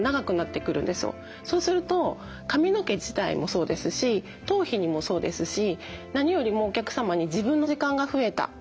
そうすると髪の毛自体もそうですし頭皮にもそうですし何よりもお客様に自分の時間が増えたとか。